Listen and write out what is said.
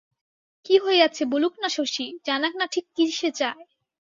কী হইয়াছে বলুক না শশী, জানাক না ঠিক কী সে চায়।